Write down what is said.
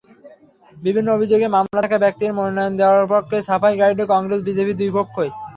বিভিন্ন অভিযোগে মামলা থাকা ব্যক্তিদের মনোনয়ন দেওয়ার পক্ষে সাফাই গাইছে কংগ্রেস-বিজেপি দুই পক্ষই।